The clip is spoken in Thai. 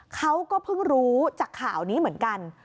เขาก็เพิ่งรู้จากข่าวนี้เหมือนกัน